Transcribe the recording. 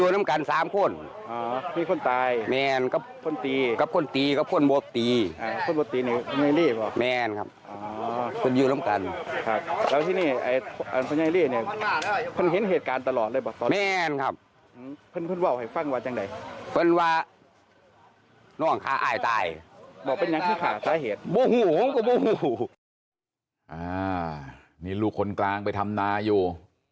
นี่ลูกคนกลางไปทำนาอยู่